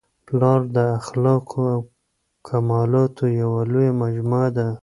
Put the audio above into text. پلار د اخلاقو او کمالاتو یوه لویه مجموعه ده.